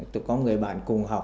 tôi có người bạn cùng học